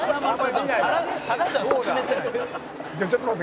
「ちょっと待って。